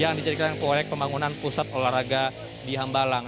yang dijadikan proyek pembangunan pusat olahraga di hambalang